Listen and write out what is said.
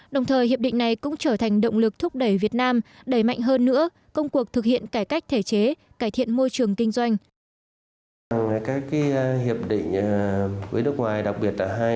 đồng thời hiệp định này cũng trở thành động lực thúc đẩy việt nam đẩy mạnh hơn nữa công cuộc thực hiện cải cách thể chế cải thiện môi trường kinh doanh